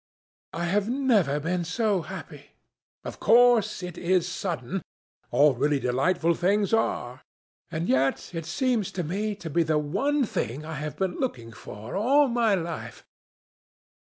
"I have never been so happy. Of course, it is sudden—all really delightful things are. And yet it seems to me to be the one thing I have been looking for all my life."